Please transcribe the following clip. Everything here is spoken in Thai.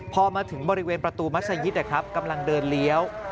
พอมาถึงบริเวณประตูมัศยิตกำลังเดินเลี้ยว